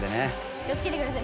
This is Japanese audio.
気をつけてください。